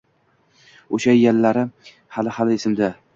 — Oʼsha yallalari hali-hali esimda: